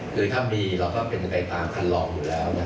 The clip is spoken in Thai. คือถ้ามีเราก็เป็นไปตามคันลองอยู่แล้ว